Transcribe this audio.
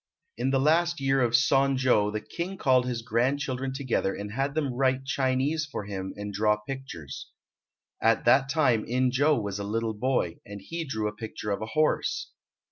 In the last year of Son jo the King called his grandchildren together and had them write Chinese for him and draw pictures. At that time In jo was a little boy, and he drew a picture of a horse.